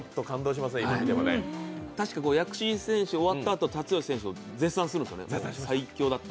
たしか薬師寺選手、終わったあと辰吉選手を絶賛するんですよね。